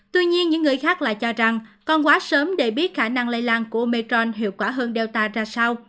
tuy nhiên những người khác lại cho rằng còn quá sớm để biết khả năng lây lan của metron hiệu quả hơn delta ra sao